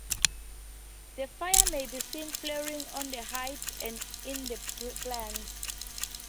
The fires may be seen flaring on the heights and in the plains.